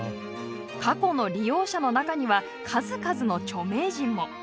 過去の利用者の中には数々の著名人も。